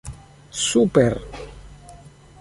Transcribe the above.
super